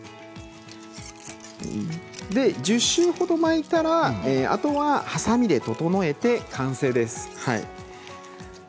１０周ほど巻いたらあとは、はさみで整えて完成です。